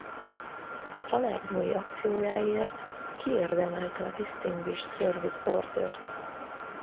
Salerno-i akciójáért kiérdemelte a Distinguished Service Order-t.